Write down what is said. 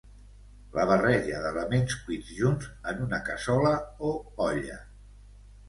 la barreja d'elements cuits junts en una cassola o olla